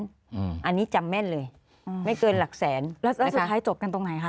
อันนี้จำแม่นเลยอืมไม่เกินหลักแสนแล้วแล้วสุดท้ายจบกันตรงไหนคะ